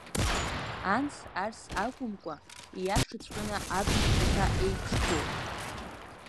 Анс-арс акәымкәа, ииашаҵәҟьаны абна хаҭа еиԥшқәоу.